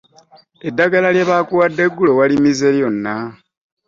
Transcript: Eddagala lye baakuwadde eggulo walimize lyonna?